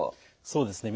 そうですね。